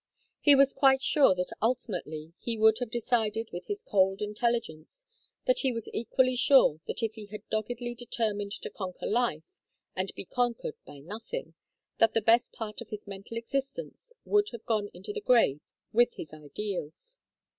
He was quite sure that ultimately he would have decided with his cold intelligence; and he was equally sure that if he had doggedly determined to conquer life and be conquered by nothing, that the best part of his mental existence would have gone into the grave with his ideals.